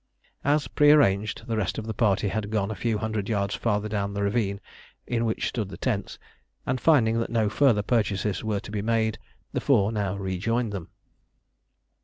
As prearranged, the rest of the party had gone a few hundred yards farther down the ravine in which stood the tents, and finding that no further purchases were to be made the four now rejoined them.